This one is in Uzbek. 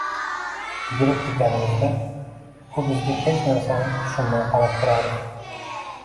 Yugurib kirganimizda, u bizga hech narsani tushunmay qarab turardi